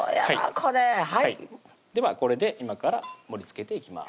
これではこれで今から盛りつけていきます